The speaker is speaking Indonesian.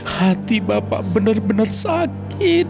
hati bapak bener bener sakit